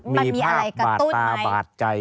มีภาพบาดตาบาดใจ